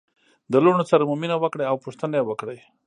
د لوڼو سره مو مینه وکړئ او پوښتنه يې وکړئ